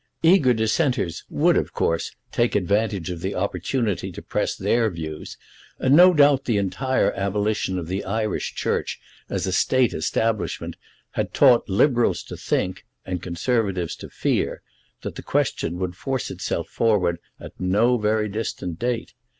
Eager Dissenters would, of course, take advantage of the opportunity to press their views, and no doubt the entire abolition of the Irish Church as a State establishment had taught Liberals to think and Conservatives to fear that the question would force itself forward at no very distant date.